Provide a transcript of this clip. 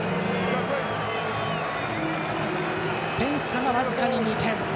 点差は僅かに２点。